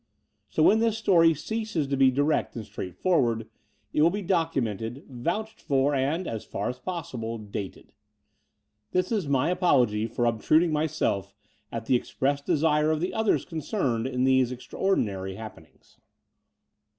So, when this story ceases to be direct and straightforward, it will be documented, vouched for and, as far as possible, dated. This is my apology for obtrud ing myself — ^at the express desire of the others concerned in these extraordinary happenings.